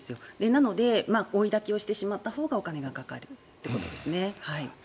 なので追いだきをしてしまったほうがお金がかかるということですね。